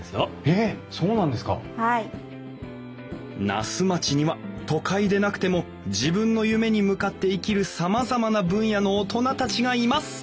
「那須町には都会でなくても自分の夢に向かって生きるさまざまな分野の大人たちがいます」。